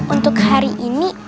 untuk hari ini